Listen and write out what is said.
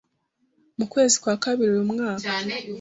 Mu kwezi kwa kabiri uyu nwaka